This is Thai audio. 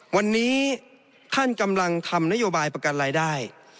วันนี้ท่านกำลังทำนโยบายประกันรายได้